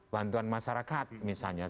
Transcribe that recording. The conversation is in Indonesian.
bantuan masyarakat misalnya